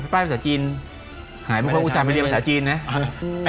ภาษาจีนหายบางคนอุตส่าห์ไปเรียนภาษาจีนนะ